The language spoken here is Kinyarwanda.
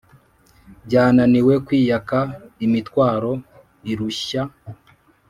byananiwe kwiyaka imitwaro irushya